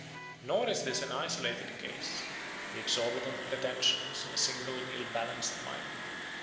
Nor is this an isolated case, the exorbitant pretension of a single ill balanced mind.